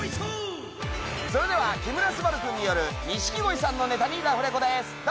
それでは木村昴君による錦鯉さんのネタにラフレコです。